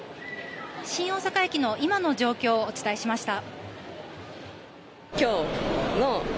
新大阪駅の今の状況をお伝えしました。